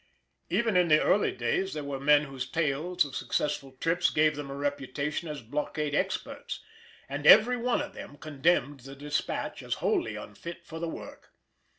Even in the early days there were men whose tales of successful trips gave them a reputation as "blockade experts," and every one of them condemned the Despatch as wholly unfit for the work.